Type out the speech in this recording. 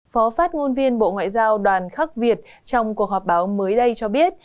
phó phát ngôn viên bộ ngoại giao đoàn khắc việt trong cuộc họp báo mới đây cho biết